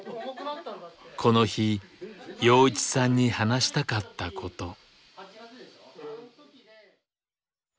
この日陽一さんに話したかったこと。